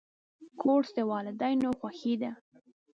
کورس د والدینو خوښي ده.